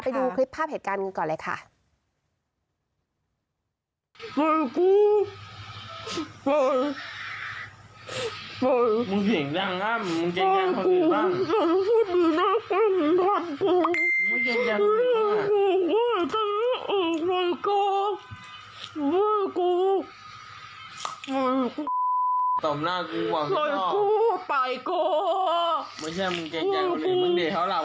ไปดูคลิปภาพเหตุการณ์กันก่อนเลยค่ะ